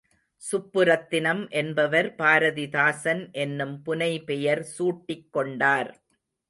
சுப்புரத்தினம் என்பவர் பாரதிதாசன் என்னும் புனைபெயர் சூட்டிக் கொண்டார்.